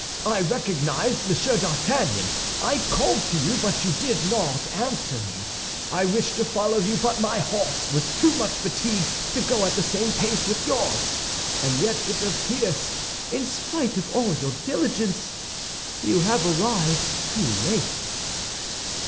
I recognized Monsieur d'Artagnan. I called to you, but you did not answer me; I wished to follow you, but my horse was too much fatigued to go at the same pace with yours. And yet it appears, in spite of all your diligence, you have arrived too late."